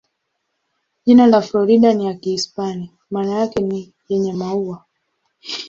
Jina la Florida ni ya Kihispania, maana yake ni "yenye maua".